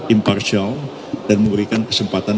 impartial dan memberikan kesempatan